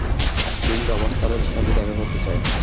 Dean Robert স্যারের সাথে দেখা করতে চাই।